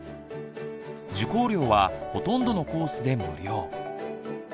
受講料はほとんどのコースで無料。